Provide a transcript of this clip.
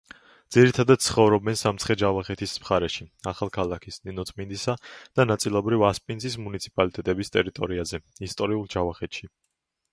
ძირითადად ცხოვრობენ სამცხე-ჯავახეთის მხარეში, ახალქალაქის, ნინოწმინდისა და ნაწილობრივ ასპინძის მუნიციპალიტეტების ტერიტორიაზე, ისტორიულ ჯავახეთში.